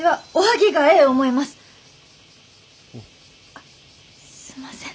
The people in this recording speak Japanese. あっすんません。